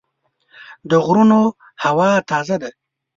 د غرونو هوا تازه ده.